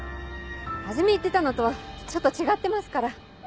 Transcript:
初め言ってたのとはちょっと違ってますから。